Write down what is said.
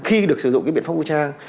khi được sử dụng cái biện pháp vũ trang